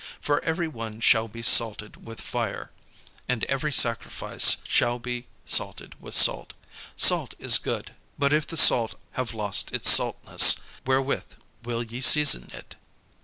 For every one shall be salted with fire, and every sacrifice shall be salted with salt. Salt is good: but if the salt have lost his saltness, wherewith will ye season it?